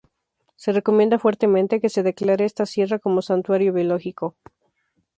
Se recomienda fuertemente que se declare esta sierra como santuario biológico.